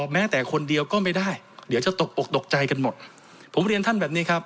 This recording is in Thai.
แม้แต่คนเดียวก็ไม่ได้เดี๋ยวจะตกอกตกใจกันหมดผมเรียนท่านแบบนี้ครับ